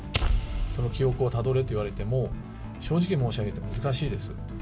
その記憶をたどれと言われても、正直に申し上げて難しいです。